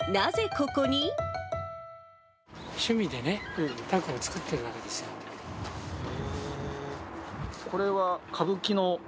趣味でね、たこを作ってるわこれは歌舞伎の？